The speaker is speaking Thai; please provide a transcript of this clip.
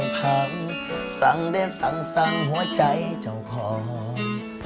พังสั่งได้สั่งหัวใจเจ้าของ